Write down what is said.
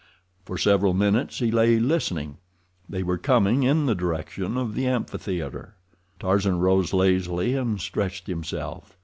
For several minutes he lay listening. They were coming in the direction of the amphitheater. Tarzan arose lazily and stretched himself.